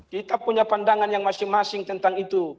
kita punya pandangan yang masing masing tentang itu